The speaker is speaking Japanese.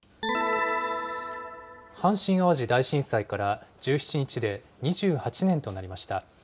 阪神・淡路大震災から、１７日で２８年となりました。